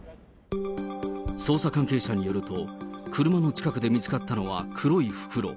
捜査関係者によると、車の近くで見つかったのは黒い袋。